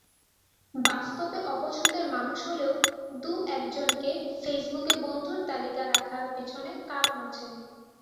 বাস্তবে অপছন্দের মানুষ হলেও দু-একজনকে ফেসবুকে বন্ধুর তালিকায় রাখার পেছনে কারণ রয়েছে।